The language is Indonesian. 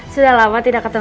sudah lama tidak ketemu